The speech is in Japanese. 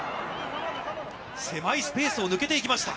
狭いスペースを抜けていきました。